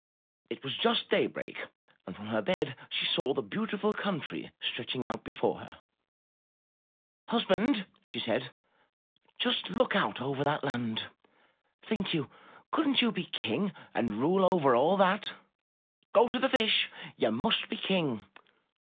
It was just daybreak and from her bed she saw the beautiful country stretching out before her. ''Husband, she said, "just look out over that land. Think you! Couldn*t you be King and rule over all that. Go to the Fish. You must be King.